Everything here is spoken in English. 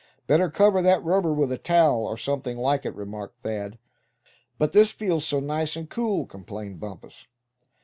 "Better cover that rubber with a towel, or something like it," remarked Thad. "But this feels so nice and cool," complained Bumpus.